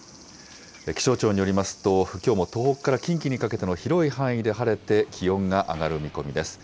気象庁によりますと、きょうも東北から近畿にかけての広い範囲で晴れて、気温が上がる見込みです。